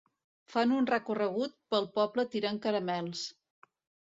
Fan un recorregut pel poble tirant caramels.